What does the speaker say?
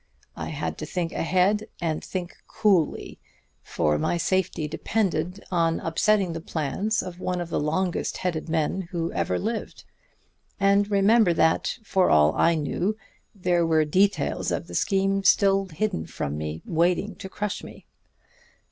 I had to think ahead and think coolly; for my safety depended on upsetting the plans of one of the longest headed men who ever lived. And remember that, for all I knew, there were details of the scheme still hidden from me, waiting to crush me.